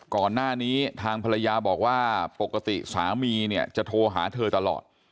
ก่อนหน้านี้ทางภรรยาบอกว่าปกติสามีเนี่ยจะโทรหาเธอตลอด